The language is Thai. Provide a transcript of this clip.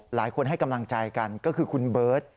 หลายคนให้กำลังใจกันก็คือคุณเบิร์ต